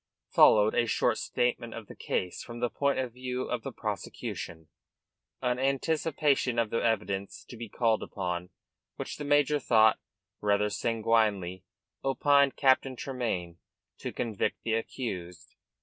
Followed a short statement of the case from the point of view of the prosecution, an anticipation of the evidence to be called, upon which the major thought rather sanguinely, opined Captain Tremayne to convict the accused.